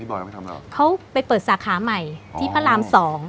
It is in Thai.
พี่บอยเขาไม่ทำหรอกเขาไปเปิดสาขาใหม่อ๋อที่พระรามสอง